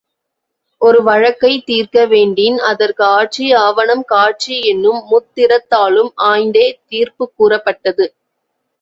ஒரு வழக்கைத் தீர்க்க வேண்டின் அதற்கு ஆட்சி, ஆவணம், காட்சி என்னும் முத்திறத்தாலும் ஆய்ந்தே தீர்ப்புக் கூறப்பட்டது.